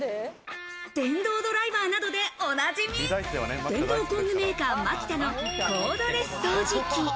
電動ドライバーなどでおなじみ、電動工具メーカー・マキタのコードレス掃除機。